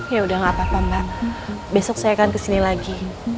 ya udah gak apa apa mbak besok saya akan kesini lagi